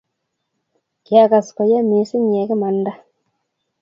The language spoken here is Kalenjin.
Kiakas ko ya mising ye kimanda